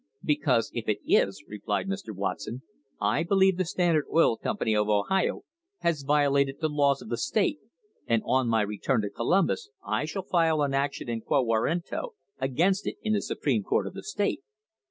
"Because if it is," replied Mr. Watson, "I believe the Standard Oil Company of Ohio has violated the laws of the state, and on my return to Columbus I shall file an action in quo warranto against it in the Supreme Court of the state."